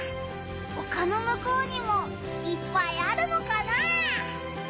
おかのむこうにもいっぱいあるのかな。